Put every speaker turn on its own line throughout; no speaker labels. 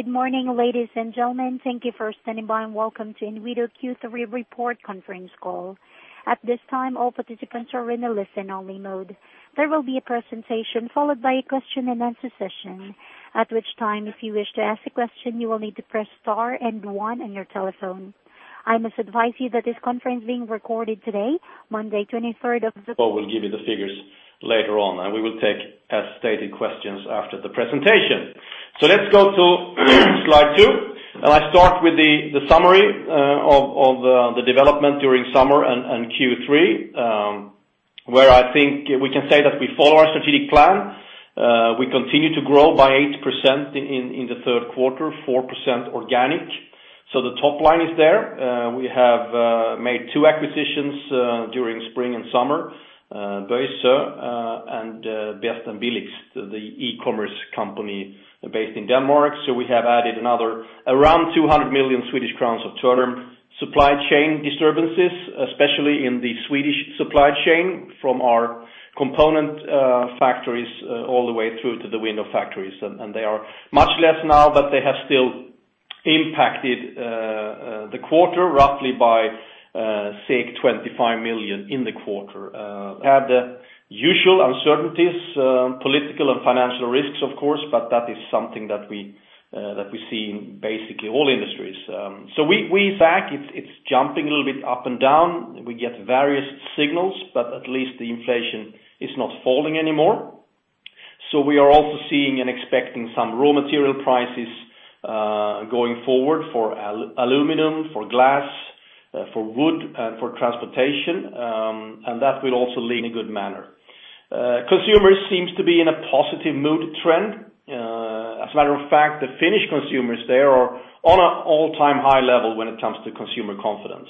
Good morning, ladies and gentlemen. Thank you for standing by and welcome to Inwido Q3 report conference call. At this time, all participants are in a listen-only mode. There will be a presentation followed by a question and answer session, at which time, if you wish to ask a question, you will need to press star and one on your telephone. I must advise you that this conference is being recorded today, Monday, 23rd of the-
We'll give you the figures later on. We will take, as stated, questions after the presentation. Let's go to slide two. I start with the summary of the development during summer and Q3, where I think we can say that we follow our strategic plan. We continue to grow by 8% in the third quarter, 4% organic. The top line is there. We have made two acquisitions during spring and summer, Bøjsø and Bedst & Billigst, the e-commerce company based in Denmark. We have added another around 200 million Swedish crowns of turnover. Supply chain disturbances, especially in the Swedish supply chain, from our component factories all the way through to the window factories. They are much less now, but they have still impacted the quarter roughly by, say, 25 million in the quarter. We have the usual uncertainties, political and financial risks, of course, but that is something that we see in basically all industries. In fact, it's jumping a little bit up and down. We get various signals, but at least the inflation is not falling anymore. We are also seeing and expecting some raw material prices going forward for aluminum, for glass, for wood, for transportation. That will also lead in a good manner. Consumers seem to be in a positive mood trend. As a matter of fact, the Finnish consumers, they are on an all-time high level when it comes to consumer confidence.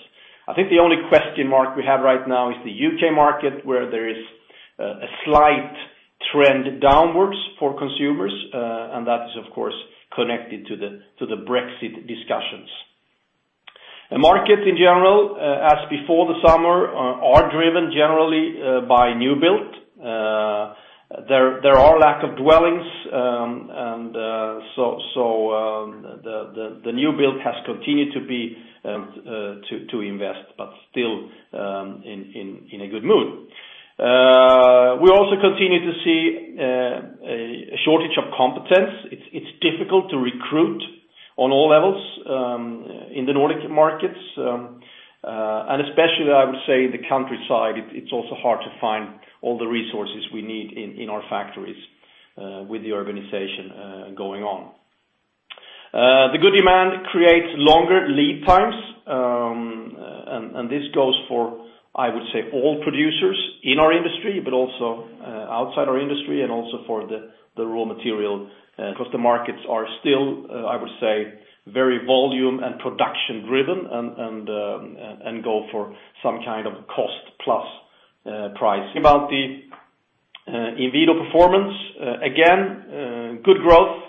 I think the only question mark we have right now is the U.K. market, where there is a slight trend downwards for consumers, and that is, of course, connected to the Brexit discussions. The markets in general, as before the summer, are driven generally by new build. There are lack of dwellings. The new build has continued to invest, but still in a good mood. We also continue to see a shortage of competence. It's difficult to recruit on all levels in the Nordic markets, especially, I would say, the countryside. It's also hard to find all the resources we need in our factories with the urbanization going on. The good demand creates longer lead times. This goes for, I would say, all producers in our industry, but also outside our industry and also for the raw material, because the markets are still, I would say, very volume and production driven and go for some kind of cost plus price. About the Inwido performance, again, good growth,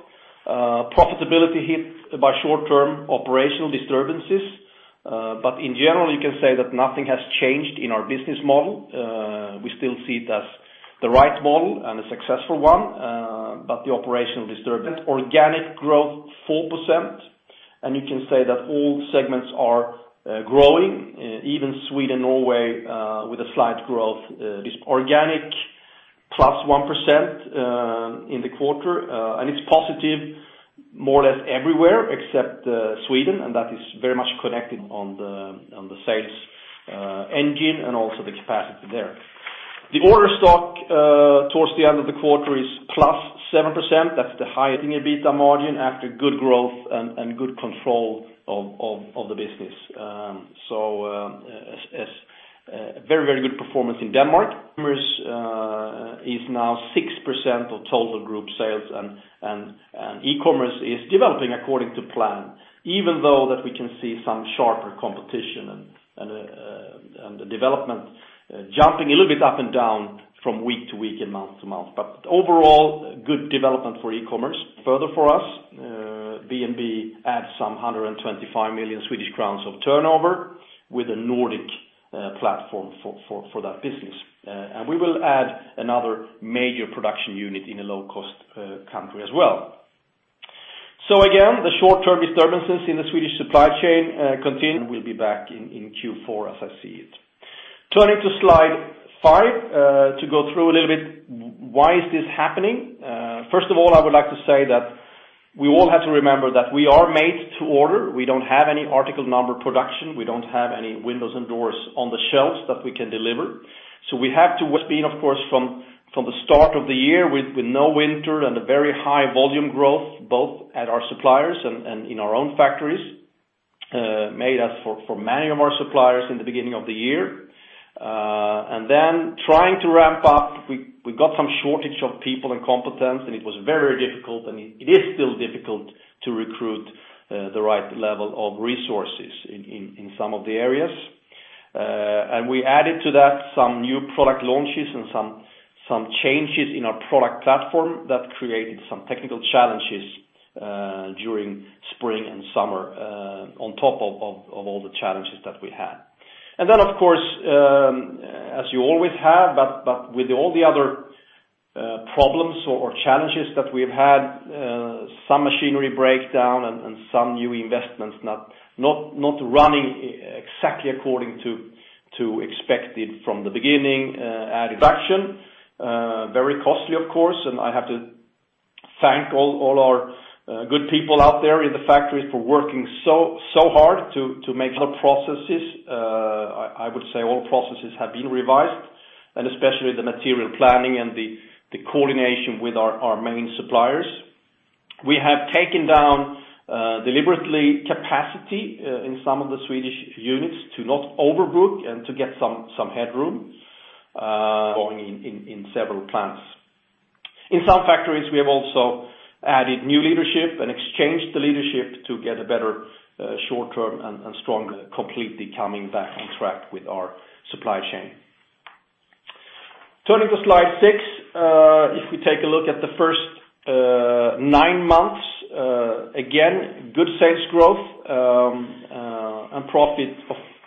profitability hit by short-term operational disturbances. In general, you can say that nothing has changed in our business model. We still see it as the right model and a successful one, but the operational disturbance Organic growth 4%, you can say that all segments are growing, even Sweden-Norway, with a slight growth. Organic +1% in the quarter, it is positive more or less everywhere except Sweden, that is very much connected on the sales engine and also the capacity there. The order stock towards the end of the quarter is +7%. That is the highest EBITDA margin after good growth and good control of the business. A very good performance in Denmark. e-commerce is now 6% of total group sales, e-commerce is developing according to plan, even though that we can see some sharper competition and the development jumping a little bit up and down from week to week and month to month. Overall, good development for e-commerce. Further for us, BnB adds some 125 million Swedish crowns of turnover with a Nordic platform for that business. We will add another major production unit in a low-cost country as well. Again, the short-term disturbances in the Swedish supply chain continue and will be back in Q4 as I see it. Turning to slide five to go through a little bit why is this happening. First of all, I would like to say that we all have to remember that we are made to order. We don't have any article number production. We don't have any windows and doors on the shelves that we can deliver. We have to. It's been, of course, from the start of the year with no winter and a very high volume growth, both at our suppliers and in our own factories, made us for many of our suppliers in the beginning of the year. Then trying to ramp up, we got some shortage of people and competence, it was very difficult, and it is still difficult to recruit the right level of resources in some of the areas. We added to that some new product launches and some changes in our product platform that created some technical challenges during spring and summer on top of all the challenges that we had. Then, of course, as you always have, with all the other problems or challenges that we have had, some machinery breakdown and some new investments not running exactly according to expected from the beginning at production. Very costly, of course. I have to thank all our good people out there in the factories for working so hard to make other processes. I would say all processes have been revised, especially the material planning and the coordination with our main suppliers. We have taken down deliberately capacity in some of the Swedish units to not overbook and to get some headroom going in several plants. In some factories, we have also added new leadership and exchanged the leadership to get a better short term and strong, completely coming back on track with our supply chain. Turning to slide six. If we take a look at the first nine months, again, good sales growth and profit,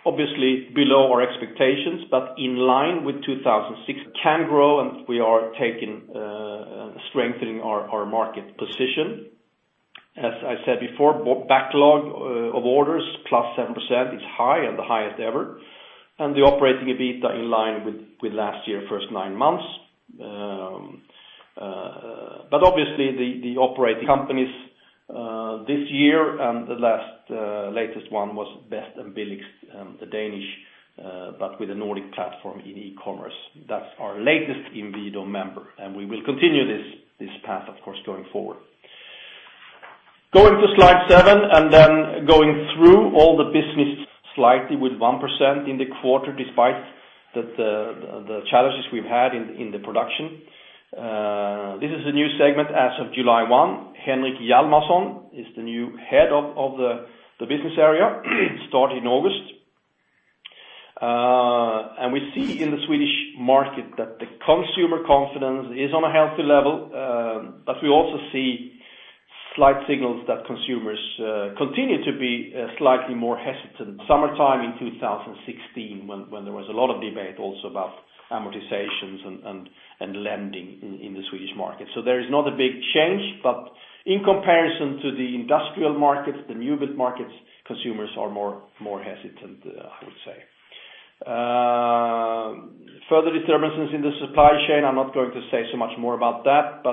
obviously below our expectations, but in line with 2016 can grow, and we are strengthening our market position. As I said before, backlog of orders, +7%, is high and the highest ever. The Operating EBITDA in line with last year, first nine months. Obviously the operating companies this year, and the latest one was Bedst og Billigst, the Danish, but with a Nordic platform in e-commerce. That's our latest Inwido member, and we will continue this path, of course, going forward. Going to slide seven and then going through all the business slightly with 1% in the quarter, despite the challenges we've had in the production. This is a new segment as of July 1. Henrik Hjalmarsson is the new head of the business area, started in August. We see in the Swedish market that the consumer confidence is on a healthy level, we also see slight signals that consumers continue to be slightly more hesitant summertime in 2016, when there was a lot of debate also about amortizations and lending in the Swedish market. There is not a big change, in comparison to the industrial markets, the new build markets, consumers are more hesitant, I would say. Further disturbances in the supply chain, I'm not going to say so much more about that,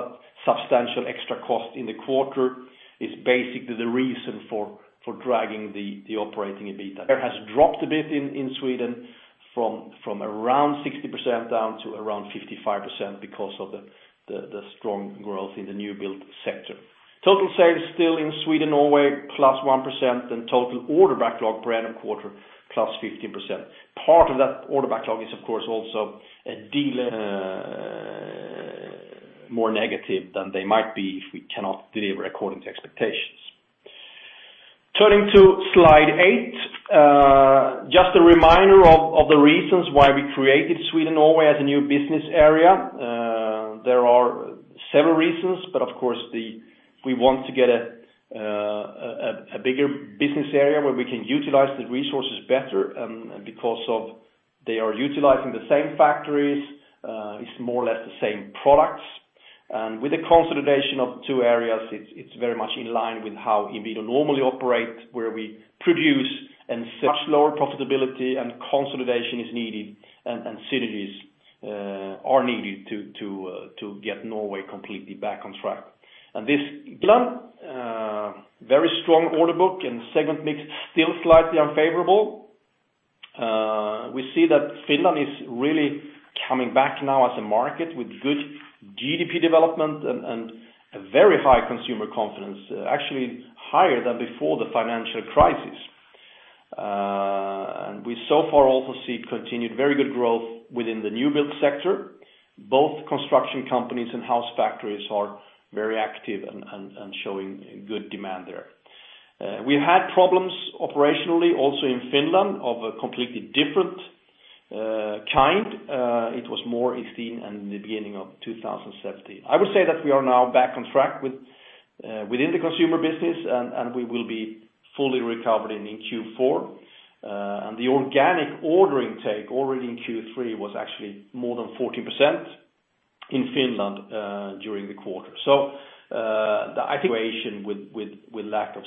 substantial extra cost in the quarter is basically the reason for dragging the Operating EBITDA. There has dropped a bit in Sweden from around 60% down to around 55% because of the strong growth in the new build sector. Total sales still in Sweden-Norway, +1%, and total order backlog per annum quarter, +15%. Part of that order backlog is, of course, also a dealer more negative than they might be if we cannot deliver according to expectations. Turning to slide eight. Just a reminder of the reasons why we created Sweden-Norway as a new business area. There are several reasons, of course, we want to get a bigger business area where we can utilize the resources better because they are utilizing the same factories, it's more or less the same products. With the consolidation of two areas, it's very much in line with how Inwido normally operates, where we produce and much lower profitability and consolidation is needed, and synergies are needed to get Norway completely back on track. This plan, very strong order book and segment mix still slightly unfavorable. We see that Finland is really coming back now as a market with good GDP development and a very high consumer confidence, actually higher than before the financial crisis. We so far also see continued very good growth within the new build sector. Both construction companies and house factories are very active and showing good demand there. We had problems operationally also in Finland of a completely different kind. It was more seen in the beginning of 2017. I would say that we are now back on track within the consumer business, and we will be fully recovered in Q4. The organic ordering take already in Q3 was actually more than 14% in Finland during the quarter. The situation with lack of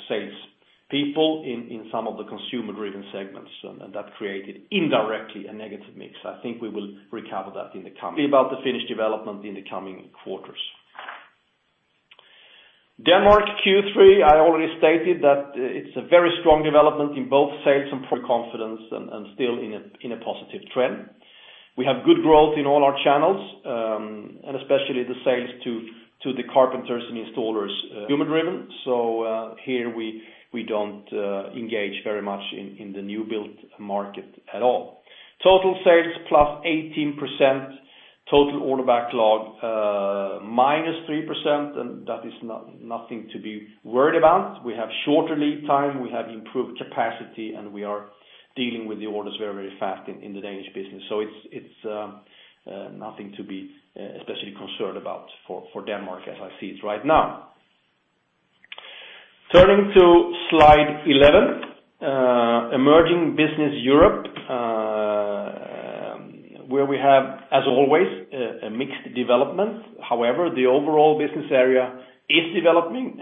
sales people in some of the consumer-driven segments, and that created indirectly a negative mix. I think we will recover that in the coming about the Finnish development in the coming quarters. Denmark Q3, I already stated that it's a very strong development in both sales and product confidence and still in a positive trend. We have good growth in all our channels, especially the sales to the carpenters and installers human-driven. Here we don't engage very much in the new build market at all. Total sales +18%, total order backlog -3%. That is nothing to be worried about. We have shorter lead time, we have improved capacity, and we are dealing with the orders very, very fast in the Danish business. It's nothing to be especially concerned about for Denmark as I see it right now. Turning to slide 11, Emerging Business Europe, where we have, as always, a mixed development. However, the overall business area is developing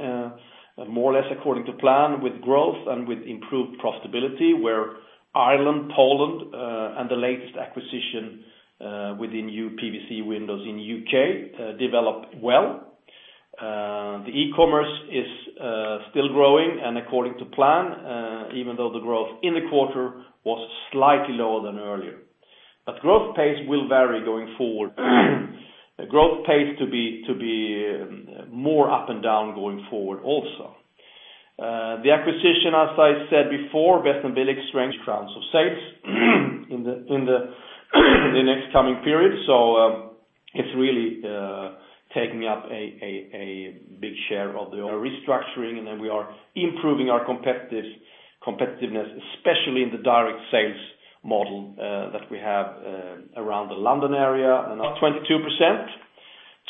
more or less according to plan, with growth and with improved profitability, where Ireland, Poland, and the latest acquisition within uPVC windows in U.K. developed well. The e-commerce is still growing and according to plan, even though the growth in the quarter was slightly lower than earlier. Growth pace will vary going forward. Growth pace to be more up and down going forward also. The acquisition, as I said before, Bedst & Billigst strengths rounds of sales in the next coming period. It's really taking up a big share of the restructuring. Then we are improving our competitiveness, especially in the direct sales model that we have around the London area. Up 22%.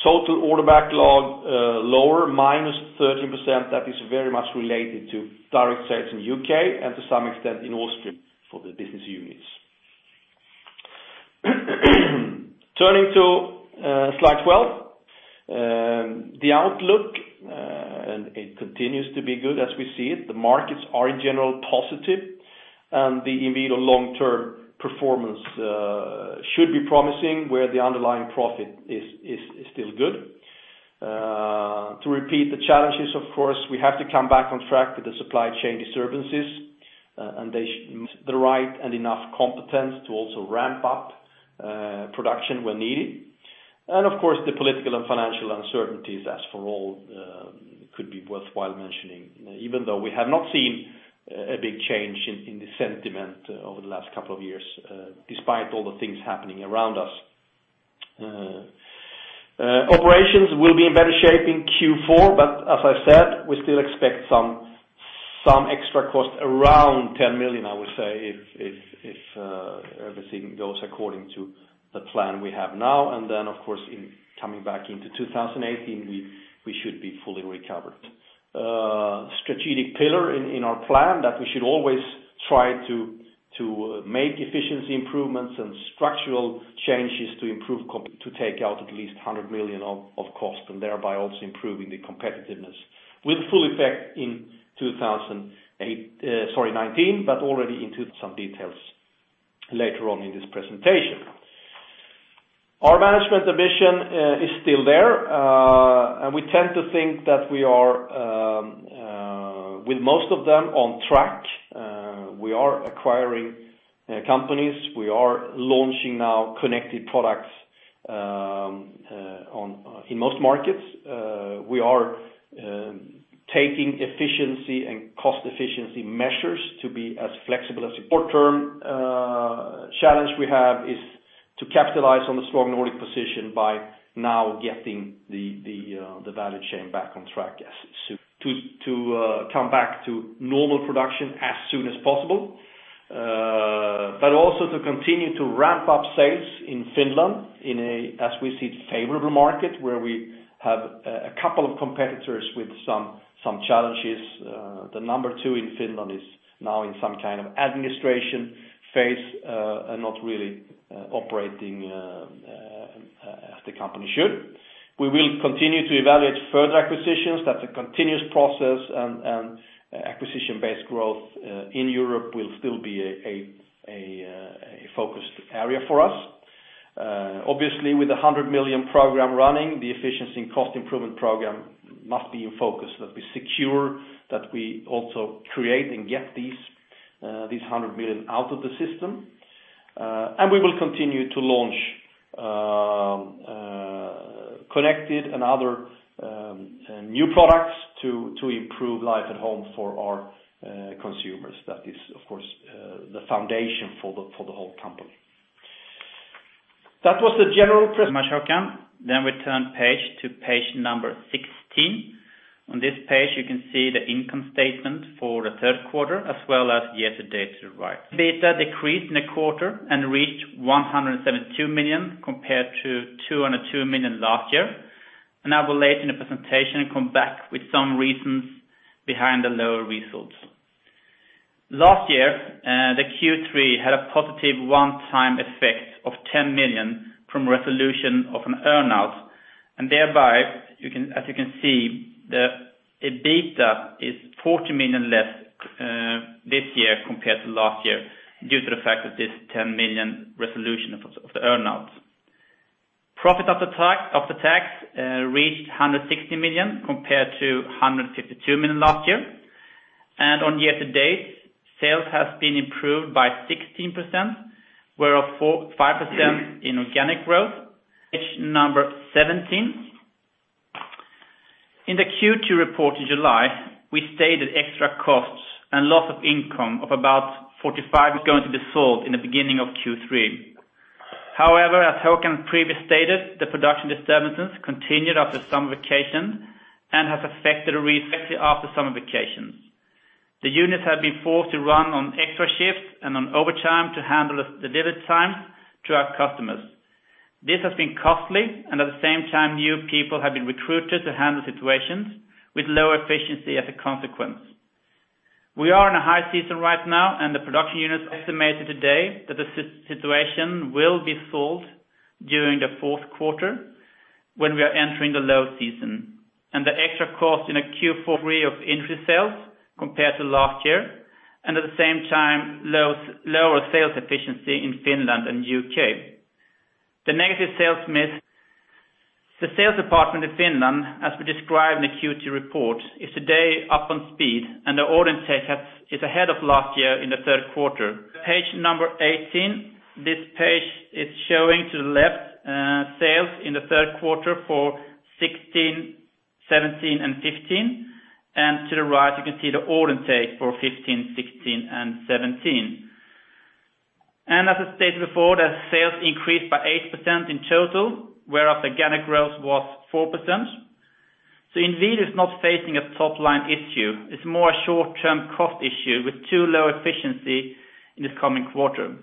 Total order backlog lower -13%. That is very much related to direct sales in U.K. and to some extent in Austria for the business units. Turning to slide 12. The outlook. It continues to be good as we see it. The markets are in general positive. The Inwido long-term performance should be promising, where the underlying profit is still good. To repeat the challenges, of course, we have to come back on track with the supply chain disturbances, and they should meet the right and enough competence to also ramp up production when needed. Of course, the political and financial uncertainties as for all could be worthwhile mentioning, even though we have not seen a big change in the sentiment over the last couple of years, despite all the things happening around us. Operations will be in better shape in Q4. As I said, we still expect some extra cost around 10 million, I would say, if everything goes according to the plan we have now. Then, of course, in coming back into 2018, we should be fully recovered. Strategic pillar in our plan that we should always try to make efficiency improvements and structural changes to improve to take out at least 100 million of cost. Thereby also improving the competitiveness with full effect in 2019, already into some details later on in this presentation. Our management ambition is still there. We tend to think that we are with most of them on track. We are acquiring companies. We are launching now connected products in most markets. We are taking efficiency and cost efficiency measures to be as flexible. Short-term challenge we have is to capitalize on the strong Nordic position by now getting the value chain back on track. To come back to normal production as soon as possible, but also to continue to ramp up sales in Finland in a, as we see, favorable market where we have a couple of competitors with some challenges. The number two in Finland is now in some kind of administration phase, and not really operating as the company should. We will continue to evaluate further acquisitions. That's a continuous process, and acquisition-based growth in Europe will still be a focused area for us. Obviously, with 100 million program running, the efficiency and cost improvement program must be in focus, that we secure, that we also create and get these 100 million out of the system. We will continue to launch connected and other new products to improve life at home for our consumers. That is, of course, the foundation for the whole company.
Thank you very much, Håkan. We turn page to page number 16. On this page, you can see the income statement for the third quarter, as well as year to date revised. EBITDA decreased in a quarter and reached 172 million compared to 202 million last year. I will later in the presentation come back with some reasons behind the lower results. Last year, the Q3 had a positive one-time effect of 10 million from resolution of an earn-out, and thereby, as you can see, the EBITDA is 40 million less this year compared to last year due to the fact that this 10 million resolution of the earn-out. Profit after tax reached 160 million compared to 152 million last year. On year to date, sales has been improved by 16%, were up 5% in organic growth. Page number 17. In the Q2 report in July, we stated extra costs and loss of income of about 45 million is going to be solved in the beginning of Q3. However, as Håkan previously stated, the production disturbances continued after summer vacation and has affected the results after summer vacation. The units have been forced to run on extra shifts and on overtime to handle the delivery time to our customers. This has been costly, and at the same time, new people have been recruited to handle situations with lower efficiency as a consequence. We are in a high season right now, and the production units estimated today that the situation will be solved during the fourth quarter, when we are entering the low season, and the extra cost in a Q4 of entry sales compared to last year, and at the same time, lower sales efficiency in Finland and U.K. The negative sales mix. The sales department in Finland, as we described in the Q2 report, is today up on speed, and the order take is ahead of last year in the third quarter. Page number 18. This page is showing to the left, sales in the third quarter for 2016, 2017, and 2015. To the right, you can see the order take for 2015, 2016, and 2017. As I stated before, the sales increased by 8% in total, whereas organic growth was 4%. Inwido is not facing a top-line issue. It's more a short-term cost issue with too low efficiency in the coming quarter.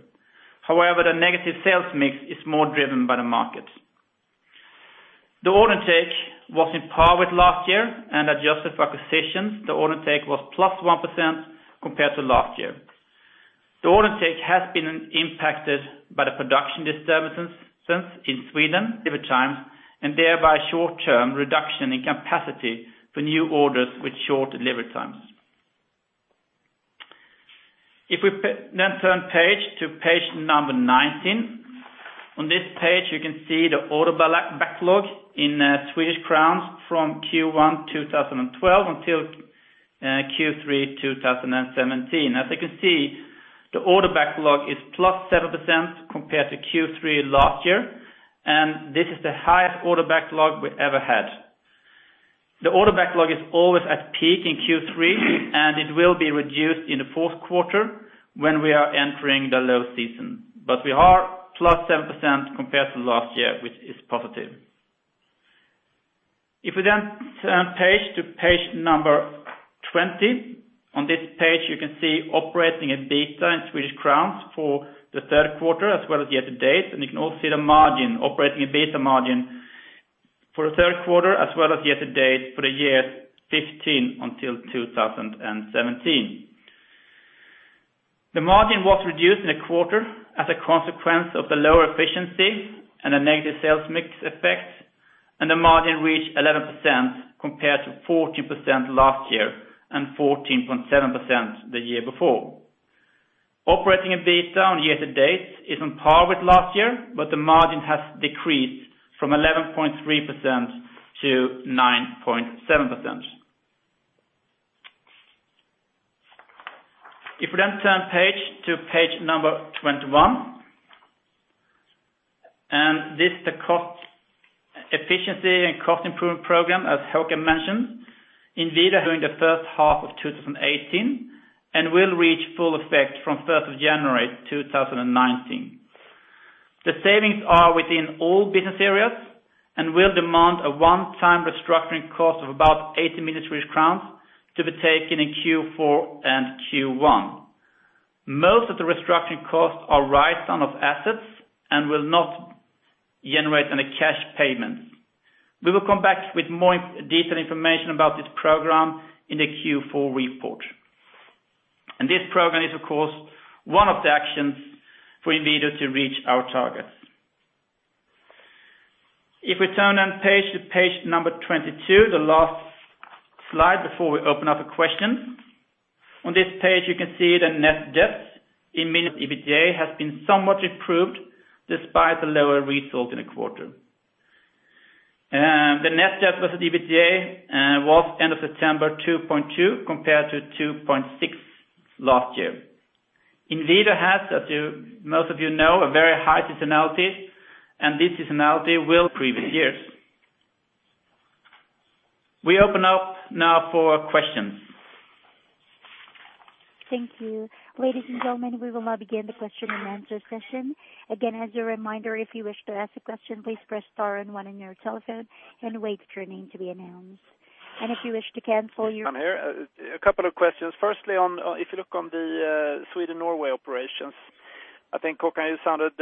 However, the negative sales mix is more driven by the market. The order take was on par with last year and adjusted for acquisitions, the order take was plus 1% compared to last year. The order take has been impacted by the production disturbances in Sweden, delivery times, and thereby short-term reduction in capacity for new orders with short delivery times. Turn page to page number 19. On this page, you can see the order backlog in SEK from Q1 2012 until Q3 2017. As you can see, the order backlog is plus 7% compared to Q3 last year, and this is the highest order backlog we ever had. The order backlog is always at peak in Q3, and it will be reduced in the fourth quarter when we are entering the low season. We are plus 7% compared to last year, which is positive. Turn page to page number 20. On this page, you can see Operating EBITDA in SEK for the third quarter as well as year to date. You can also see the margin, Operating EBITDA margin for the third quarter as well as year to date for the year 2015 until 2017. The margin was reduced in the quarter as a consequence of the lower efficiency and a negative sales mix effect, and the margin reached 11% compared to 14% last year and 14.7% the year before. Operating EBITDA on year to date is on par with last year, but the margin has decreased from 11.3% to 9.7%. Turn page to page number 21, and this the cost efficiency and cost improvement program, as Håkan mentioned, Inwido during the first half of 2018 and will reach full effect from 1st of January 2019. The savings are within all business areas and will demand a one-time restructuring cost of about 80 million Swedish crowns to be taken in Q4 and Q1. Most of the restructuring costs are write-down of assets and will not generate any cash payments. We will come back with more detailed information about this program in the Q4 report. This program is, of course, one of the actions for Inwido to reach our targets. Turn then page to page number 22, the last slide before we open up for questions. On this page, you can see the net debt in SEK million EBITDA has been somewhat improved despite the lower result in the quarter. The net debt was at EBITDA, was end of September 2.2 compared to 2.6 last year. Inwido has, as most of you know, a very high seasonality, and this seasonality will previous years. We open up now for questions.
Thank you. Ladies and gentlemen, we will now begin the question and answer session. Again, as a reminder, if you wish to ask a question, please press star and one on your telephone and wait for your name to be announced. If you wish to cancel your
I'm here. A couple of questions. Firstly, if you look on the Sweden-Norway operations, I think, Håkan, you sounded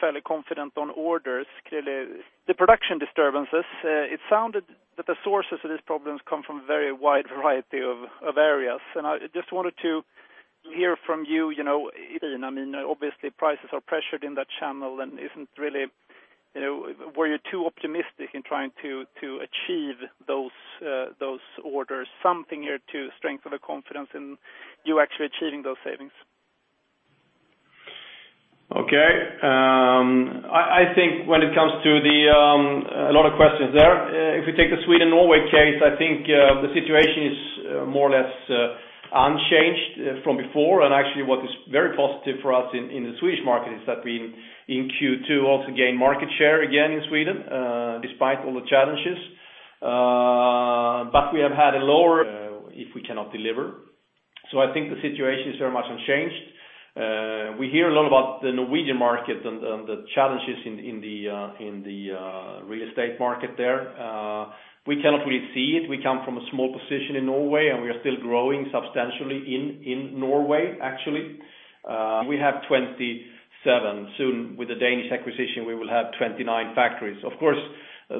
fairly confident on orders. Clearly, the production disturbances, it sounded that the sources of these problems come from a very wide variety of areas. I just wanted to hear from you, Carin, obviously, prices are pressured in that channel. Were you too optimistic in trying to achieve those orders? Something here to strengthen the confidence in you actually achieving those savings.
Okay. A lot of questions there. If we take the Sweden-Norway case, I think the situation is more or less unchanged from before. Actually, what is very positive for us in the Swedish market is that we, in Q2, also gained market share again in Sweden, despite all the challenges. We have had a lower, if we cannot deliver. I think the situation is very much unchanged.
We hear a lot about the Norwegian market and the challenges in the real estate market there. We cannot really see it. We come from a small position in Norway, we are still growing substantially in Norway, actually. We have 27, soon with the Danish acquisition, we will have 29 factories. Of course,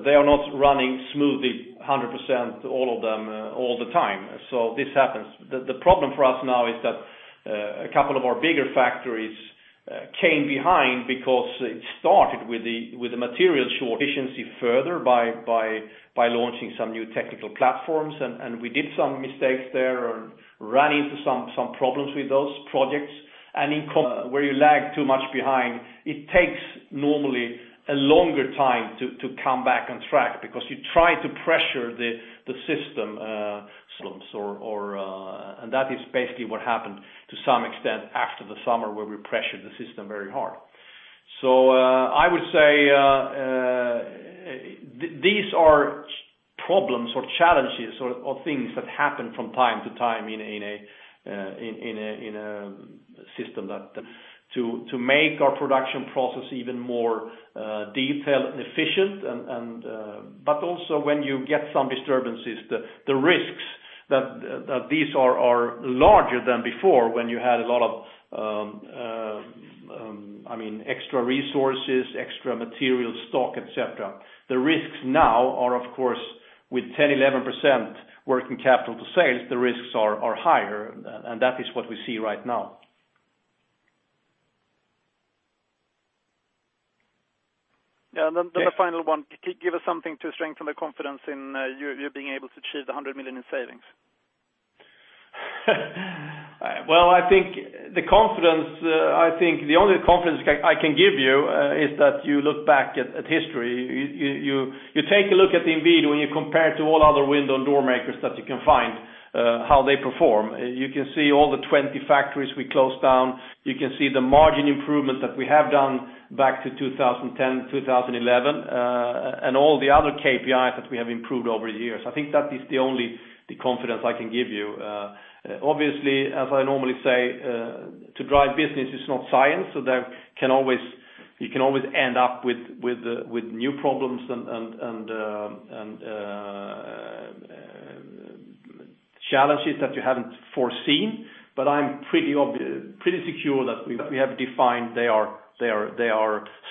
they are not running smoothly 100% all of them all the time. This happens. The problem for us now is that a couple of our bigger factories came behind because it started with the material shortage. Efficiency further by launching some new technical platforms. We did some mistakes there or ran into some problems with those projects. Where you lag too much behind, it takes normally a longer time to come back on track because you try to pressure the system. Slumps. That is basically what happened to some extent after the summer where we pressured the system very hard. I would say these are problems or challenges or things that happen from time to time in a system to make our production process even more detailed and efficient. Also when you get some disturbances, the risks, that these are larger than before when you had a lot of extra resources, extra material stock, et cetera. The risks now are, of course, with 10%-11% working capital to sales, the risks are higher, and that is what we see right now.
Yeah. The final one. Could you give us something to strengthen the confidence in you being able to achieve the 100 million in savings?
Well, I think the only confidence I can give you is that you look back at history. You take a look at Inwido, and you compare to all other window and door makers that you can find, how they perform. You can see all the 20 factories we closed down. You can see the margin improvement that we have done back to 2010, 2011, and all the other KPIs that we have improved over the years. I think that is the only confidence I can give you. Obviously, as I normally say, to drive business is not science, you can always end up with new problems and challenges that you haven't foreseen. I'm pretty secure that we have defined they are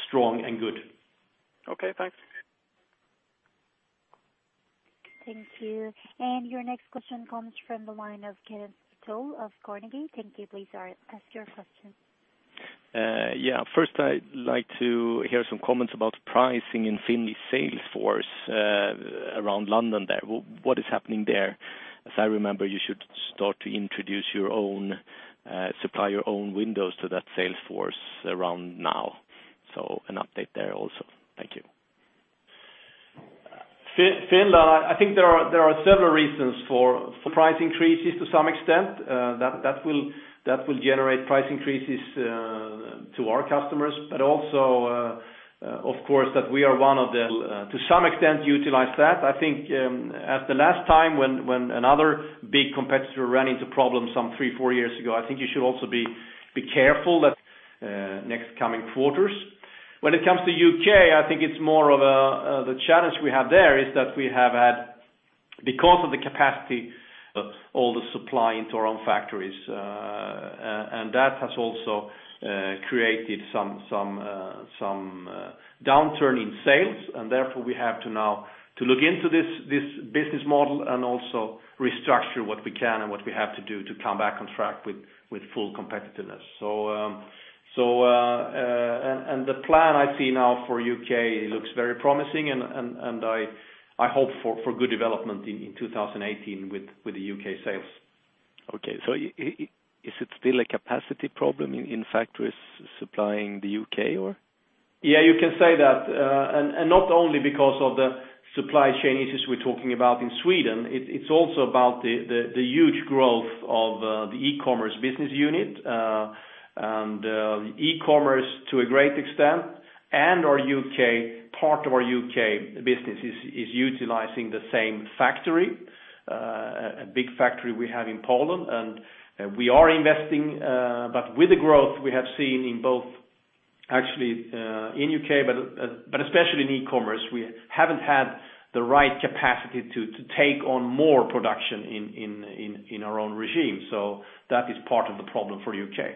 strong and good.
Okay, thanks.
Thank you. Your next question comes from the line of Kenneth Patey of Carnegie. Thank you. Please ask your question.
First I'd like to hear some comments about pricing in Finland sales force around London there. What is happening there? As I remember, you should start to introduce your own supplier, own windows to that sales force around now. An update there also. Thank you.
Finland, I think there are several reasons for price increases to some extent, that will generate price increases to our customers, but also, of course, that we are one of the-- To some extent utilize that. I think at the last time when another big competitor ran into problems some three, four years ago, I think you should also be careful that next coming quarters. When it comes to U.K., I think it's more of a, the challenge we have there is that we have had, because of the capacity of all the supply into our own factories. That has also created some downturn in sales, and therefore, we have to now to look into this business model and also restructure what we can and what we have to do to come back on track with full competitiveness. The plan I see now for U.K. looks very promising, and I hope for good development in 2018 with the U.K. sales.
Okay. Is it still a capacity problem in factories supplying the U.K. or?
Yeah, you can say that. Not only because of the supply chain issues we're talking about in Sweden, it's also about the huge growth of the e-commerce business unit. e-commerce to a great extent and part of our U.K. business is utilizing the same factory, a big factory we have in Poland, and we are investing, but with the growth we have seen in both actually in U.K., but especially in e-commerce, we haven't had the right capacity to take on more production in our own regime. That is part of the problem for U.K.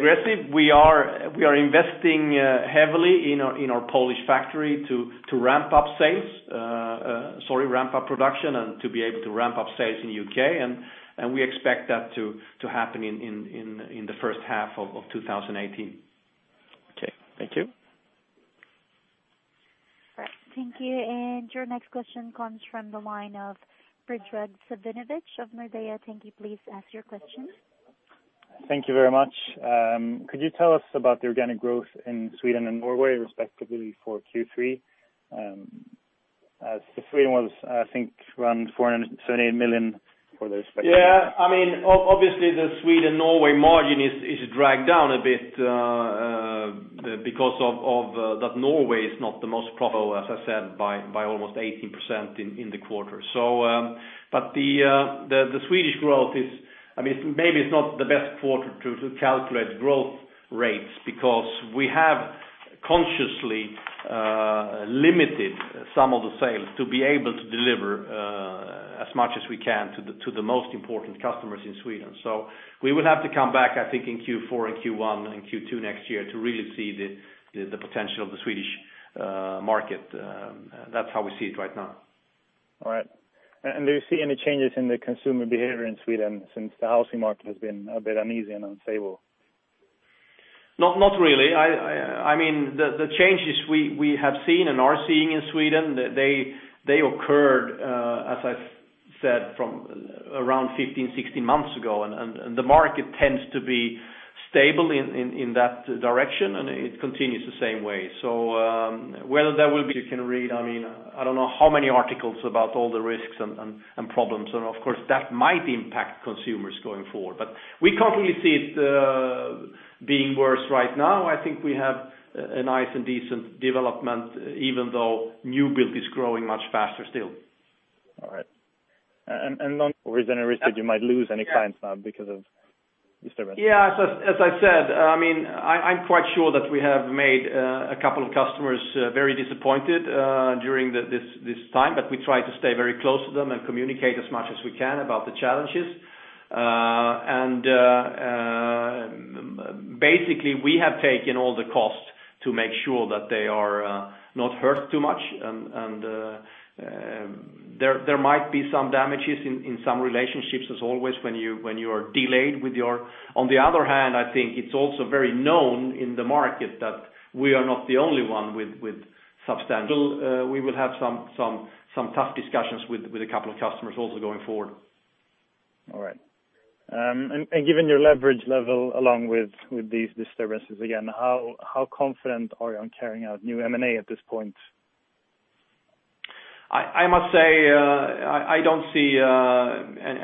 We are investing heavily in our Polish factory to ramp up sales, sorry, ramp up production and to be able to ramp up sales in U.K. We expect that to happen in the first half of 2018.
Okay. Thank you.
Thank you. Your next question comes from the line of Bregt De Smet of Nordea. Thank you. Please ask your question.
Thank you very much. Could you tell us about the organic growth in Sweden and Norway, respectively for Q3? The Sweden was, I think, around 478 million for the respective.
Yeah. Obviously, the Sweden-Norway margin is dragged down a bit. That Norway is not the most profitable, as I said, by almost 18% in the quarter. The Swedish growth, maybe it's not the best quarter to calculate growth rates because we have consciously limited some of the sales to be able to deliver as much as we can to the most important customers in Sweden. We will have to come back, I think, in Q4 and Q1 and Q2 next year to really see the potential of the Swedish market. That's how we see it right now.
All right. Do you see any changes in the consumer behavior in Sweden since the housing market has been a bit uneasy and unstable?
Not really. The changes we have seen and are seeing in Sweden, they occurred, as I said, from around 15, 16 months ago. The market tends to be stable in that direction, it continues the same way. You can read, I don't know how many articles about all the risks and problems, of course, that might impact consumers going forward. We currently see it being worse right now. I think we have a nice and decent development, even though new build is growing much faster still.
All right. Long reason or risk that you might lose any clients now because of disturbance?
Yeah. As I said, I'm quite sure that we have made a couple of customers very disappointed during this time, but we try to stay very close to them and communicate as much as we can about the challenges. Basically, we have taken all the cost to make sure that they are not hurt too much. There might be some damages in some relationships, as always, when you are delayed. On the other hand, I think it's also very known in the market that we are not the only one. We will have some tough discussions with a couple of customers also going forward.
All right. Given your leverage level along with these disturbances, again, how confident are you on carrying out new M&A at this point?
I must say, I don't see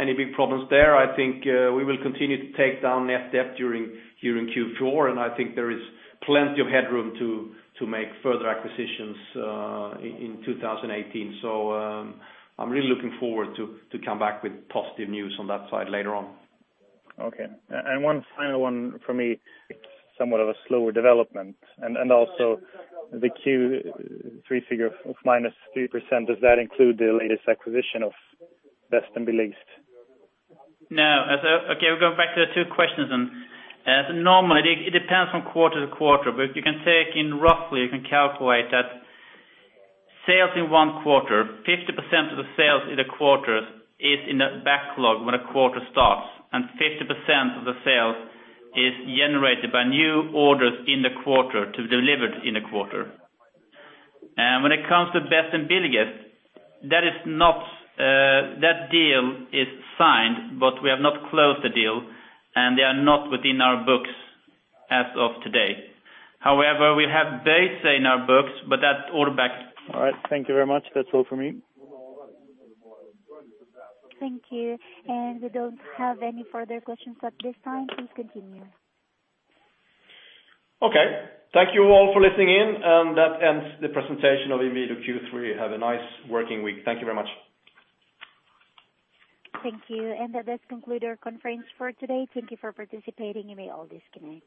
any big problems there. I think we will continue to take down net debt during Q4, and I think there is plenty of headroom to make further acquisitions in 2018. I'm really looking forward to come back with positive news on that side later on.
Okay. One final one for me. It's somewhat of a slower development, and also the Q3 figure of minus 3%, does that include the latest acquisition of Bedst & Billigst?
No. Okay, we're going back to the two questions. Normally, it depends from quarter to quarter. You can take in roughly, you can calculate that sales in one quarter, 50% of the sales in a quarter is in the backlog when a quarter starts, and 50% of the sales is generated by new orders in the quarter to be delivered in a quarter. When it comes to Bedst & Billigst, that deal is signed, but we have not closed the deal and they are not within our books as of today. However, we have Bøjsø in our books, but that order backlog.
All right. Thank you very much. That's all from me.
Thank you. We don't have any further questions at this time. Please continue.
Okay. Thank you all for listening in, that ends the presentation of Inwido Q3. Have a nice working week. Thank you very much.
Thank you. That does conclude our conference for today. Thank you for participating. You may all disconnect.